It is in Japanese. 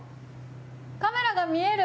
カメラが見える。